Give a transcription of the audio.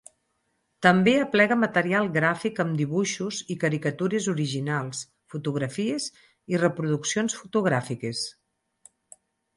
També aplega material gràfic amb dibuixos i caricatures originals, fotografies i reproduccions fotogràfiques.